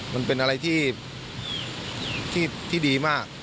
มันเป็นอะไรที่ดีมาก